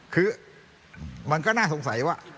คือมันก็น่าสงสัยว่า